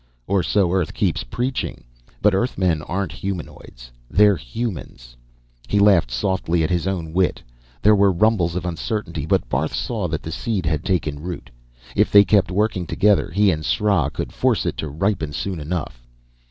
"Or so Earth keeps preaching. But Earthmen aren't humanoids. They're humans!" He laughed softly at his own wit. There were rumbles of uncertainty, but Barth saw that the seed had taken root. If they kept working together, he and Sra could force it to ripen soon enough.